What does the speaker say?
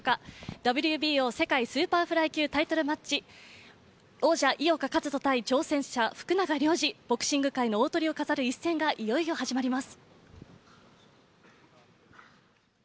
ＷＢＯ世界スーパーフライ級タイトルマッチ、王者・井岡一翔対福永亮次、ボクシング界の大トリを飾る戦いがいよいよ始まります。